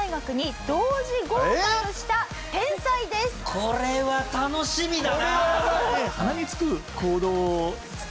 これは楽しみだな！